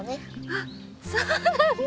あっそうなんだ！